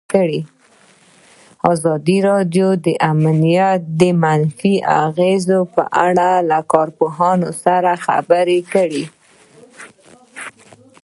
ازادي راډیو د امنیت د منفي اغېزو په اړه له کارپوهانو سره خبرې کړي.